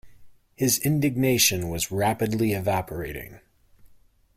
His indignation was rapidly evaporating.